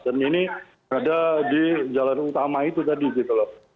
dan ini ada di jalan utama itu tadi gitu loh